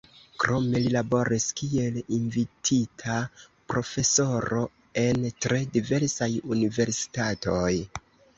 Krome li laboris kiel invitita profesoro en tre diversaj universitatoj.